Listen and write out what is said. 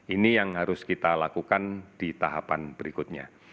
ini yang harus kita lakukan di tahapan berikutnya